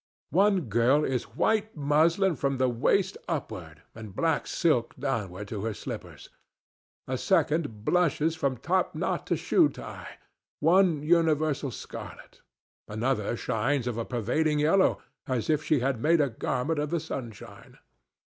One girl is white muslin from the waist upward and black silk downward to her slippers; a second blushes from top knot to shoe tie, one universal scarlet; another shines of a pervading yellow, as if she had made a garment of the sunshine.